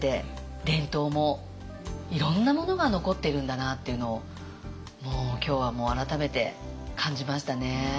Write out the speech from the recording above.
いろんなものが残ってるんだなっていうのを今日は改めて感じましたね。